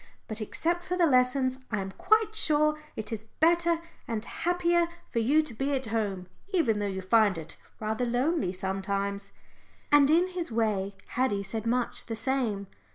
But except for the lessons, I am quite sure it is better and happier for you to be at home, even though you find it rather lonely sometimes." And in his way Haddie said much the same.